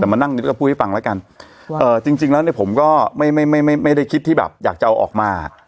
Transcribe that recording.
แต่มานั่งนึกก็พูดให้ฟังแล้วกันเอ่อจริงจริงแล้วเนี่ยผมก็ไม่ไม่ไม่ได้คิดที่แบบอยากจะเอาออกมา